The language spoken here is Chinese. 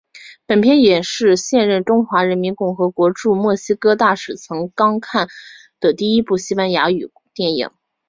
本片也是现任中华人民共和国驻墨西哥大使曾钢看的第一部西班牙语电影。